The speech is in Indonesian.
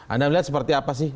anda melihat seperti apa sih